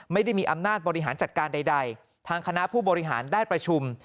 ไม่ได้มีอำนาจบริหารจัดการใดทางคณะผู้บริหารได้ประชุม